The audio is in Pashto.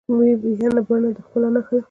ینه بڼه د ښکلا نخښه ده.